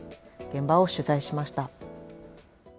現場を取材しました。